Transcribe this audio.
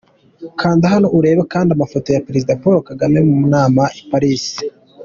Kanda hano urebe andi mafoto ya Perezida Paul Kagame mu nama i Paris.